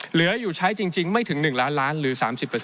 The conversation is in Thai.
เหลืออยู่ใช้จริงไม่ถึง๑ล้านล้านหรือ๓๐